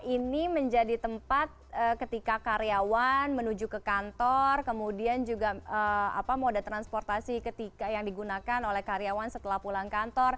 ini menjadi tempat ketika karyawan menuju ke kantor kemudian juga moda transportasi yang digunakan oleh karyawan setelah pulang kantor